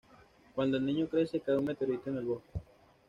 Cuando el niño crece cae un meteorito en el bosque.